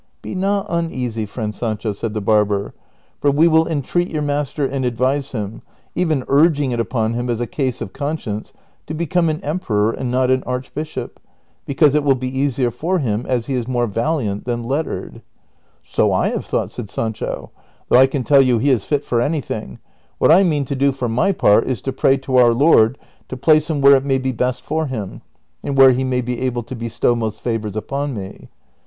'* Be not uneasy, friend .Sancho," said the barber, '' for we will entreat your master, and advise him, even urging it upon him as a case of conscience, to become an emperor and not an archbisho}), because it will be easier for him as he is more val iant than lettered." " So I have thought," said Sancho ;" though I can tell you he is fit for anything : what I mean to do for my part is to pray to our Lord to place him Avhere it may be best for him, and where he may be able to bestow most favors upon me."